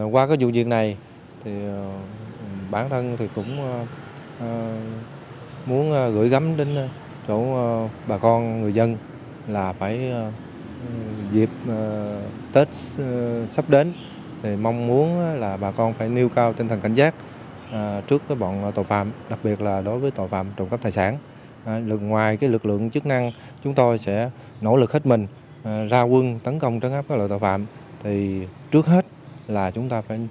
qua cái vụ chuyện này bản thân thì cũng muốn gửi gắm đến chỗ bà con người dân